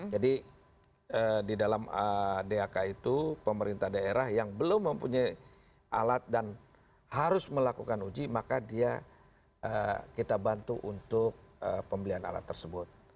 di dalam dak itu pemerintah daerah yang belum mempunyai alat dan harus melakukan uji maka dia kita bantu untuk pembelian alat tersebut